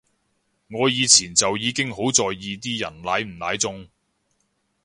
我以前就已經好在意啲人奶唔奶中